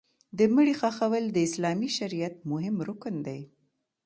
د مړي ښخول د اسلامي شریعت مهم رکن دی.